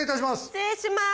失礼します。